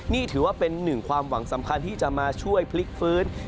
นี่ถือว่าเป็นหนึ่งความหวังสำคัญที่จะมาช่วยพลิกฟื้น